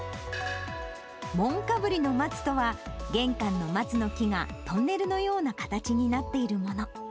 門かぶりの松とは、玄関の松の木がトンネルのような形になっているもの。